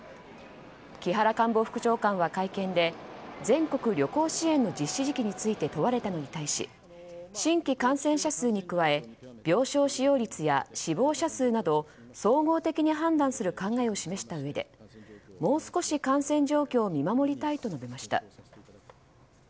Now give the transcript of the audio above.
木原官房副長官は会見で全国旅行支援の実施時期について問われたのに対し新規感染者数に加え病床使用率や死亡者数など総合的に判断する考えを示したうえでもう少し感染状況を見守りたいと述べました。